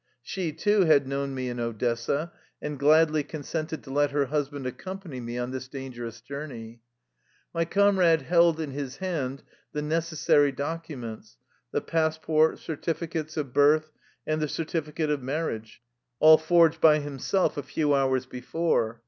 She, too, had known me in Odessa, and gladly consented to let her hus band accompany me on this dangerous jour ney. My comrade held in his hand the necessary documents — the passport, certificates of birth, and the certificate of marriage, all forged by 236 THE LIFE STOEY OF A RUSSIAN EXILE himself a few hours before.